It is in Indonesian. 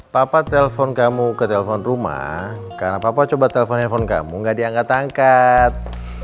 papa telpon kamu ke telepon rumah karena papa coba telepon telepon kamu gak diangkat angkat